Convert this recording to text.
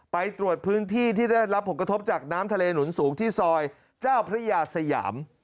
ไปตรวจพื้นที่ที่ได้รับผลกระทบจากน้ำทะเลหนุนสูงที่ซอยเจ้าพระยาสยาม